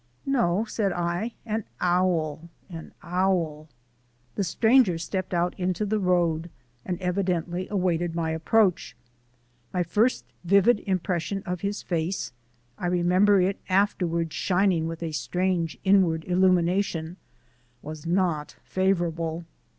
"No," said I, "an owl, an owl!" The stranger stepped out into the road and evidently awaited my approach. My first vivid impression of his face I remember it afterward shining with a strange inward illumination was not favourable.